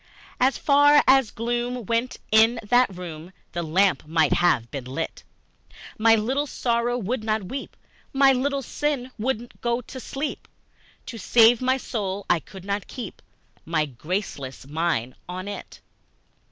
As far as gloom went in that room, The lamp might have been lit! My Little Sorrow would not weep, My Little Sin would go to sleep To save my soul I could not keep My graceless mind on it!